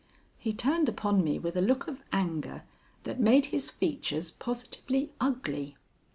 He turned upon me with a look of anger that made his features positively ugly.